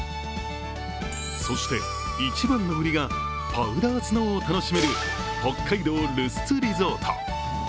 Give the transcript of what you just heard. そして、一番のうりがパウダースノーを楽しめる北海道ルスツリゾート。